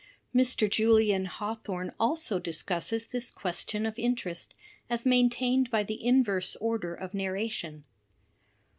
'' Mr. Julian Hawthorne also discusses this question of interest as maintained by the inverse order of narration.